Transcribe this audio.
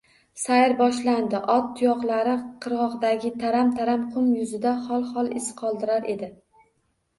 Sayr boshlandi. Ot tuyoqlari qirgʼoqdagi taram-taram qum yuzida xol-xol iz qoldirar edi.